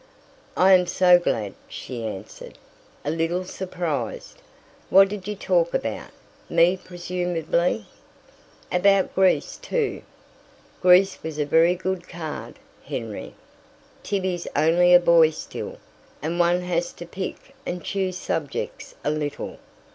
"I am so glad," she answered, a little surprised. "What did you talk about? Me, presumably." "About Greece too." "Greece was a very good card, Henry. Tibby's only a boy still, and one has to pick and choose subjects a little.